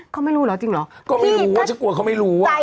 เขาไม่รู้เหรอจริงเหรอก็ไม่รู้ว่าฉันกลัวเขาไม่รู้อ่ะ